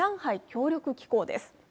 協力機構です。